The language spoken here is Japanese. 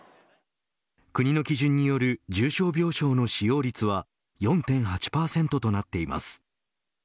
国の基準による重症病床の使用率は４．８％となっています。